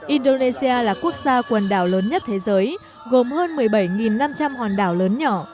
indonesia là quốc gia quần đảo lớn nhất thế giới gồm hơn một mươi bảy năm trăm linh hòn đảo lớn nhỏ